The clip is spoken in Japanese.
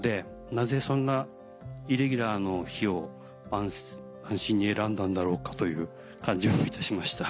なぜそんなイレギュラーの日を番審に選んだんだろうかという感じもいたしました。